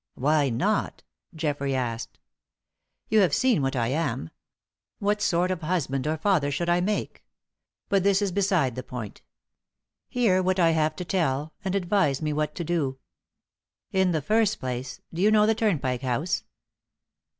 "Why not?" Geoffrey, asked. "You have seen what I am. What sort of husband or father should I make? But this is beside the point. Hear what I have to tell, and advise me what to do. In the first place, do you know the Turnpike House?"